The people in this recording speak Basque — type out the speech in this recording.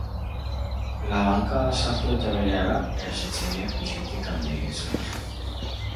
Labankada sartu eta berehala, erasotzaileak pisutik alde egin zuen.